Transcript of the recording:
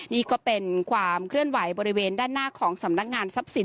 นี่ก็เป็นความเคลื่อนไหวบริเวณด้านหน้าของสำนักงานทรัพย์สิน